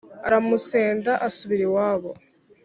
aramusenda asubira iwabo.